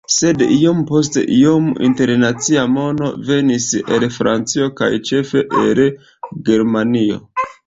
Sed iom post iom internacia mono venis el Francio kaj ĉefe el Germanio.